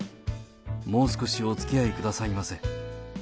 もう少しおつきあいくださいませ。